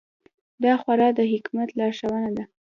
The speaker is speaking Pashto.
دا خورا د حکمت لارښوونه ده.